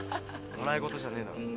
笑い事じゃねえだろ。